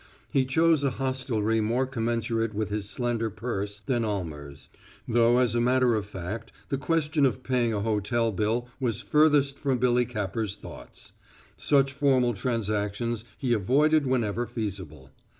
He chose a hostelry more commensurate with his slender purse than Almer's, though as a matter of fact the question of paying a hotel bill was furthest from Billy Capper's thoughts; such formal transactions he avoided whenever feasible.